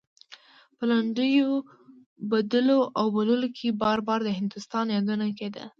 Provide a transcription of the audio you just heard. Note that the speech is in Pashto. په لنډيو بدلو او بوللو کې بار بار د هندوستان يادونه کېده.